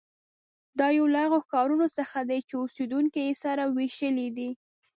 دا یو له هغو ښارونو څخه دی چې اوسېدونکي یې سره وېشلي دي.